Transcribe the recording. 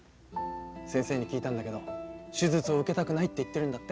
先生に聞いたんだけど手術を受けたくないって言ってるんだって？